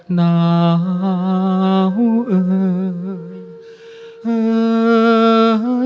หน้าหายเอ่ยโอ้โหโอ้คมึงอาวร